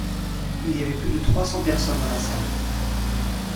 Il y avait plus de trois cent personnes dans la salle.